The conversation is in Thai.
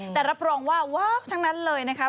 แต่รับรองว่าว้าวทั้งนั้นเลยนะคะ